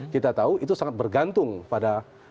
kita tahu itu sangat bergantung pada